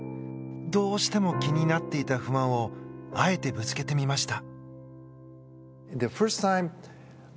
どうしても気になっていた不安をあえてぶつけてみました。